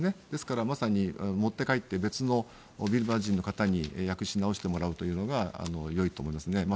ですからまさに持って帰って別のビルマ人の方に訳し直してもらうというのがよいと思いますね。